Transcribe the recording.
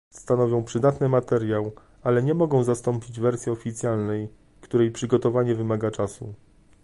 Stanowią przydatny materiał, ale nie mogą zastąpić wersji oficjalnej, której przygotowanie wymaga czasu